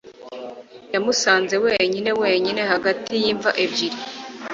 yamusanze wenyine, wenyine ... hagati y'imva ebyiri